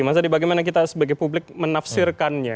mas adi bagaimana kita sebagai publik menafsirkannya